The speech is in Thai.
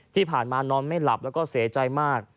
ที่ผ่านมานอนไม่หลับแล้วก็เสียใจมาก